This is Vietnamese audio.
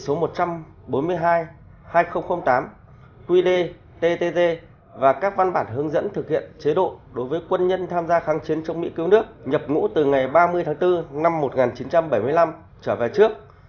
quy định số một trăm bốn mươi hai hai nghìn tám quy đề ttt và các văn bản hướng dẫn thực hiện chế độ đối với quân nhân tham gia kháng chiến trong mỹ cứu nước nhập ngũ từ ngày ba mươi tháng bốn năm một nghìn chín trăm bảy mươi năm trở về trước